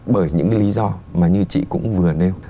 bởi những lý do mà như chị cũng vừa nêu